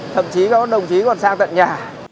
thậm chí các đồng chí còn sang tận nhà